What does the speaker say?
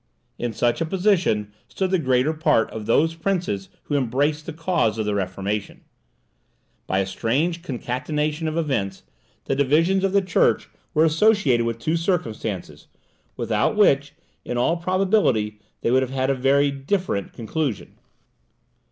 In such a position stood the greater part of those princes who embraced the cause of the Reformation. By a strange concatenation of events, the divisions of the Church were associated with two circumstances, without which, in all probability, they would have had a very different conclusion.